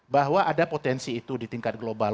bahwa ada potensi itu di tingkat global